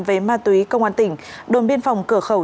về ma túy công an tỉnh đồn biên phòng cửa khẩu